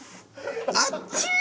あっちぃ！！